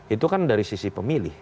itu kan dari sisi pemilih